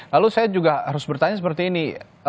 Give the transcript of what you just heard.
lalu saya juga harus bertanya seperti ini